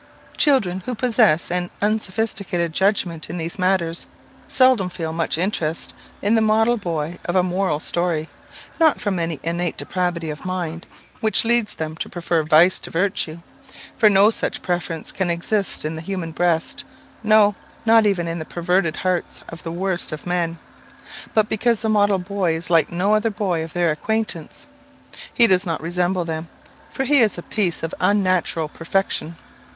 Children, who possess an unsophisticated judgment in these matters, seldom feel much interest in the model boy of a moral story; not from any innate depravity of mind, which leads them to prefer vice to virtue, for no such preference can exist in the human breast, no, not even in the perverted hearts of the worst of men but because the model boy is like no other boy of their acquaintance. He does not resemble them, for he is a piece of unnatural perfection.